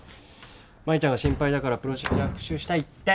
舞ちゃんが心配だからプロシージャー復習したいって。